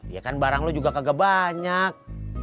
ya kan barang lo juga kagak banyak